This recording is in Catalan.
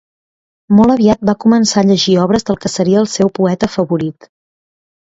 Molt aviat va començar a llegir obres del que seria el seu poeta favorit: